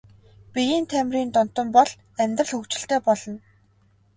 Биеийн тамирын донтон бол бол амьдрал хөгжилтэй болно.